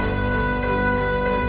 ya kita berhasil